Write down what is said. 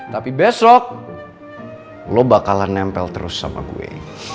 tapi besok lo bakalan nempel terus sama gue